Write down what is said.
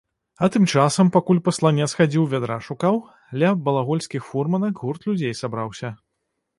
А тым часам, пакуль пасланец хадзіў, вядра шукаў, ля балагольскіх фурманак гурт людзей сабраўся.